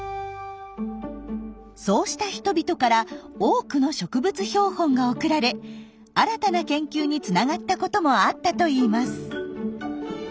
そうした人々から多くの植物標本が送られ新たな研究につながったこともあったといいます。